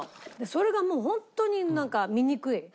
それがもう本当になんか醜い。